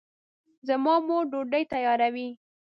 زما مور ډوډۍ تیاروي